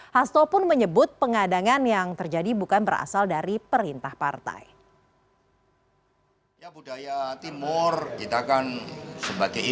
hasto pun menyebut pengadangan yang terjadi bukan berasal dari perintah partai